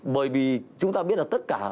bởi vì chúng ta biết là tất cả